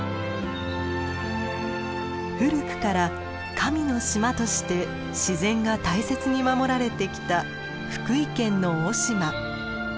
古くから「神の島」として自然が大切に守られてきた福井県の雄島。